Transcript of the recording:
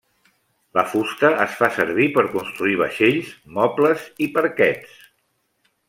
La fusta es fa servir per construir vaixells, mobles i parquets.